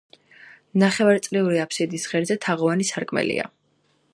ნახევარწრიული აფსიდის ღერძზე თაღოვანი სარკმელია.